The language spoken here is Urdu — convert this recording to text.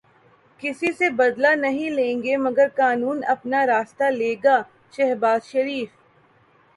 کسی سے بدلہ نہیں لیں گے مگر قانون اپنا راستہ لے گا، شہباز شریف